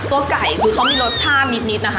ตัวไก่คือเขามีรสชาตินิดนะคะ